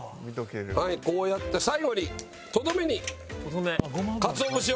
はいこうやって最後にとどめに鰹節を。